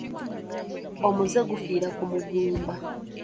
Omuzze gufiira ku muguumba.